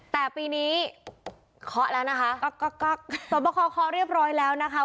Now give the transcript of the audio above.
แต่ปีนี้เคาะแล้วนะคะก๊อกก๊อกก๊อกตัวประคอเคาะเรียบร้อยแล้วนะคะ